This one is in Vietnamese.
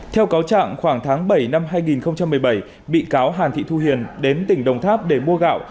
theo cáo trạng khoảng tháng bảy năm hai nghìn một mươi bảy bị cáo hàn thị thu hiền đến tỉnh đồng tháp để mua gạo